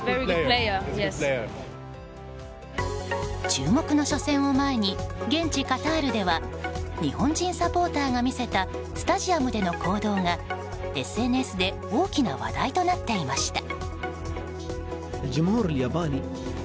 注目の初戦を前に現地カタールでは日本人サポーターが見せたスタジアムでの行動がＳＮＳで大きな話題となっていました。